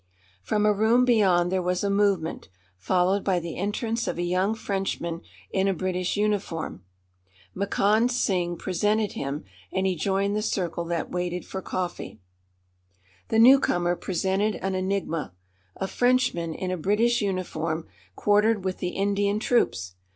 From a room beyond there was a movement, followed by the entrance of a young Frenchman in a British uniform. Makand Singh presented him and he joined the circle that waited for coffee. The newcomer presented an enigma a Frenchman in a British uniform quartered with the Indian troops!